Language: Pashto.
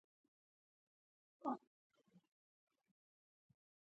ناروغانو ته به یې ورکوم.